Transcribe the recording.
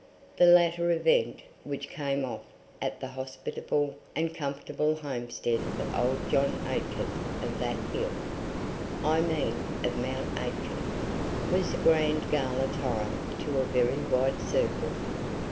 The latter event, which came off at the hospitable and comfortable homestead of old John Aitken of that ilk (I mean of Mount Aitken), was a grand gala time to a very wide circle.